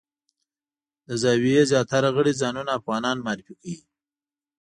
د زاویې زیاتره غړي ځانونه افغانان معرفي کوي.